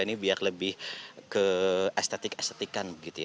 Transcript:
ini biar lebih ke estetik estetikan